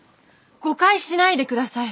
誤解しないで下さい。